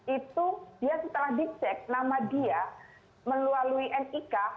itu dia setelah dicek nama dia melalui nik